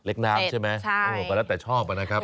น้ำใช่ไหมก็แล้วแต่ชอบนะครับ